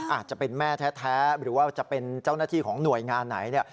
อาจจะเป็นแม่แท้หรือว่าจะเป็นเจ้าหน้าที่ของหน่วยงานไหนเนี่ย